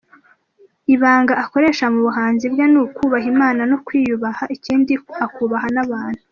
Ibanga akoresha mu buhanzi bwe ni ukubaha Imana no kwiyubaha ikindi akubaha n’abantu.